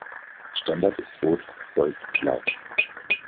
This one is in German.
Standard ist Rot-Gold-Blau.